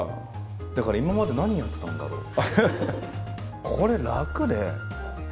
だから今まで何やってたんだろう。